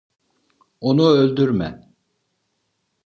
Onu öldürme!